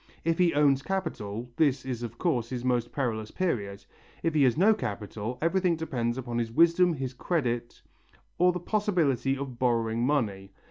If he owns capital, this is of course his most perilous period; if he has no capital, everything depends upon his wisdom, his credit, or the possibility of borrowing money.